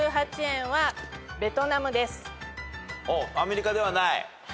アメリカではない？